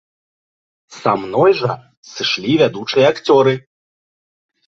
Са мной жа сышлі вядучыя акцёры.